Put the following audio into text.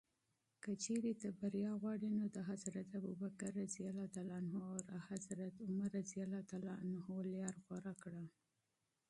که چېرې ته بریا غواړې، نو د ابوبکر او عمر لاره غوره کړه.